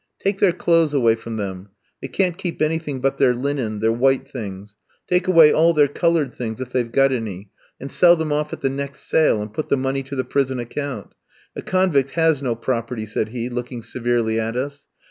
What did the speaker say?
"Take their clothes away from them. They can't keep anything but their linen, their white things; take away all their coloured things if they've got any, and sell them off at the next sale, and put the money to the prison account. A convict has no property," said he, looking severely at us.